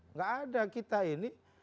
tidak ada kita ini